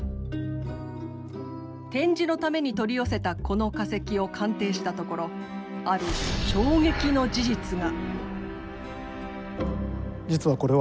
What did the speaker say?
展示のために取り寄せたこの化石を鑑定したところある衝撃の事実が。